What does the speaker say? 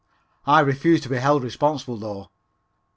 I refuse to be held responsible though.